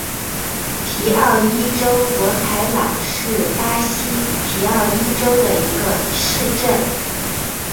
皮奥伊州博凯朗是巴西皮奥伊州的一个市镇。